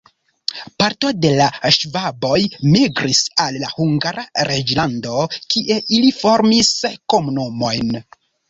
Parto de la ŝvaboj migris al la Hungara reĝlando, kie ili formis komunumojn.